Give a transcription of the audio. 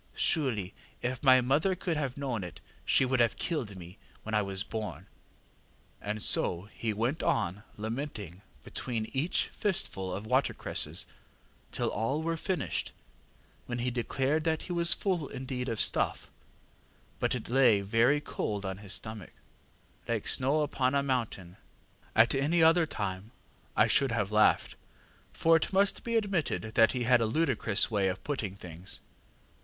Surely if my mother could have known it she would have killed me when I was born! ŌĆÖ and so he went on lamenting between each fistful of watercresses till all were finished, when he declared that he was full indeed of stuff, but it lay very cold on his stomach, ŌĆślike snow upon a mountain. ŌĆÖ At any other time I should have laughed, for it must be admitted he had a ludicrous way of putting things.